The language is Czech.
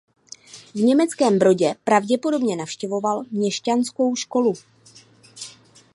V Německém Brodě pravděpodobně navštěvoval měšťanskou školu.